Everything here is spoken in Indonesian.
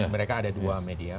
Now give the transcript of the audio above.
mereka ada dua media